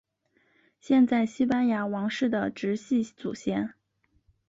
现在西班牙王室的直系祖先。